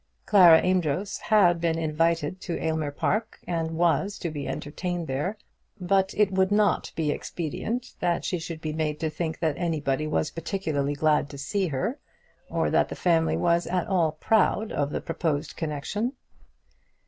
Clara Amedroz had been invited to Aylmer Park, and was to be entertained there, but it would not be expedient that she should be made to think that anybody was particularly glad to see her, or that the family was at all proud of the proposed connection.